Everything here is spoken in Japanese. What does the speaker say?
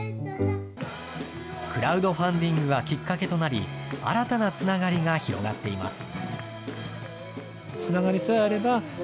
クラウドファンディングがきっかけとなり、新たなつながりが広がっています。